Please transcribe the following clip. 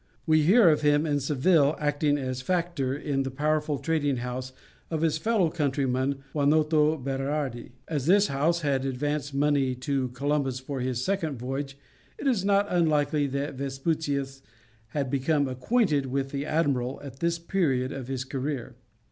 We hear of him in Seville acting as factor in the powerful trading house of his fellow countryman, Juanoto Berardi. As this house had advanced money to Columbus for his second voyage, it is not unlikely that Vespucius had become acquainted with the admiral at this period of his career.